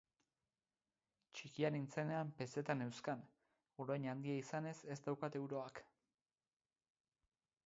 Txikia nintzenean pesetak neuzkan orain handia izanez ez dauzkat euroak.